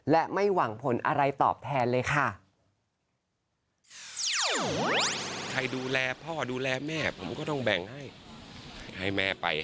และไม่หวังผลอะไรตอบแทนเลยค่ะ